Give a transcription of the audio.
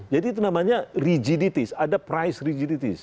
jadi itu namanya rigiditas ada price rigiditas